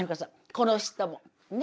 この人も。ね？